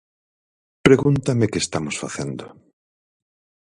Pregúntame que estamos facendo.